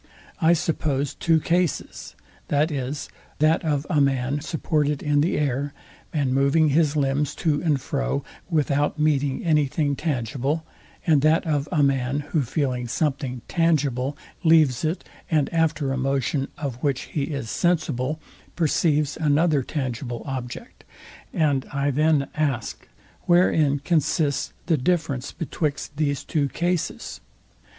I suppose two cases, viz. that of a man supported in the air, and moving his limbs to and fro, without meeting any thing tangible; and that of a man, who feeling something tangible, leaves it, and after a motion, of which he is sensible, perceives another tangible object; and I then ask, wherein consists the difference betwixt these two cases?